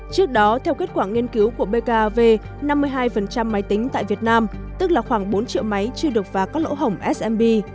trước đó theo kết quả nghiên cứu của bkav năm mươi hai máy tính tại việt nam tức là khoảng bốn triệu máy chưa được phá các lỗ hồng smb